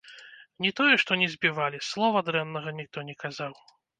Не тое, што не збівалі, слова дрэннага ніхто не казаў!